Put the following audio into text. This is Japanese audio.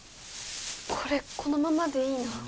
これこのままでいいの？